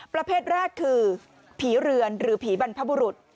ประเภทแรกคือผีเรือนหรือผีบรรพบุรุษ